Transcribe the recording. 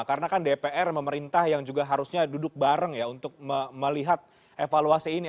karena kan dpr memerintah yang juga harusnya duduk bareng ya untuk melihat evaluasi ini